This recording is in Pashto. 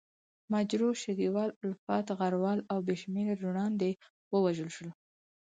مجروح، شګیوال، الفت، غروال او بې شمېره روڼاندي ووژل شول.